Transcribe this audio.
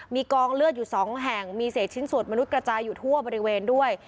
มีกองเลือดอยู่๒แห่งมีเศษชิ้นส่วนมนุษย์กระจายอยู่ทั่วบริเวณด้วย